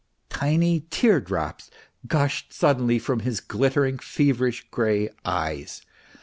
Tiny teardrops gushed suddenly from his glittering, feverish, grey eyes.